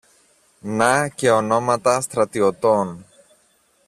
να και ονόματα στρατιωτών.